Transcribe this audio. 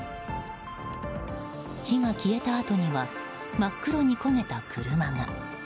火が消えたあとには真っ黒に焦げた車が。